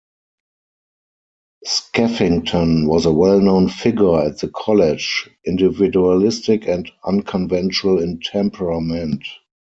Skeffington was a well-known figure at the college, individualistic and unconventional in temperament.